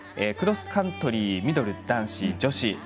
クロスカントリーミドルの男子・女子。